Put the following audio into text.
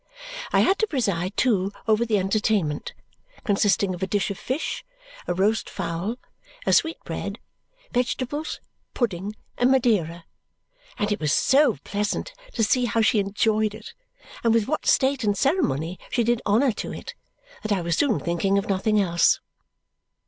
I had to preside, too, over the entertainment, consisting of a dish of fish, a roast fowl, a sweetbread, vegetables, pudding, and Madeira; and it was so pleasant to see how she enjoyed it, and with what state and ceremony she did honour to it, that I was soon thinking of nothing else.